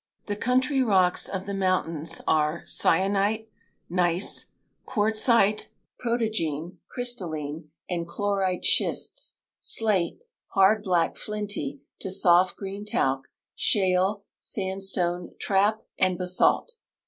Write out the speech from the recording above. The country rocks of the mountains are syenite, gneiss, quartz ite, i)rotogene, crystalline and chlorite schists, slate (hard black flinty to soft green talc) shale, sandstone, trap, and basalt.